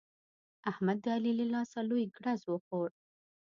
احمد د علي له لاسه لوی ګړز وخوړ.